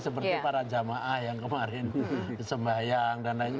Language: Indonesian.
seperti para jamaah yang kemarin sembahyang dan lain lain